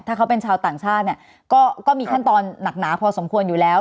ถ้าเขาเป็นชาวต่างชาติเนี่ยก็มีขั้นตอนหนักหนาพอสมควรอยู่แล้ว